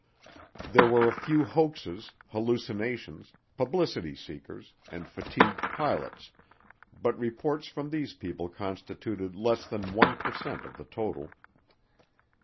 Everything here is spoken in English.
There were a few hoaxes, hallucinations, publicity seekers, and fatigued pilots, but reports from these people constituted less than 1 per cent of the total.